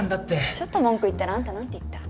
ちょっと文句言ったらあんた何て言った？